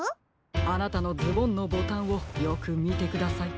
あなたのズボンのボタンをよくみてください。